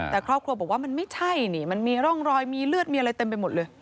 แต่ครอบครัวบอกว่ามันไม่ใช่นี่มันมีร่องรอยมีเลือดมีอะไรเต็มไปหมดเลย